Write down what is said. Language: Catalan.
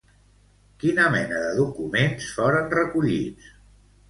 Quina mena de documents foren recollits?